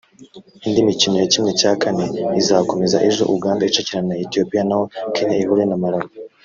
Indi mikino ya kimwe cya kane izakomeza ejo Uganda icakirana na Ethiopiya naho Kenya ihure na Malawi